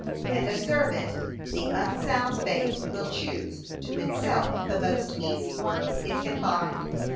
And observe it, the unsound faith will choose to itself the most easy works it can find.